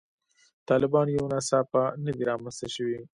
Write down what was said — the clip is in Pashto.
طالبان یو ناڅاپه نه دي رامنځته شوي.